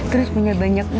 terus punya banyak uang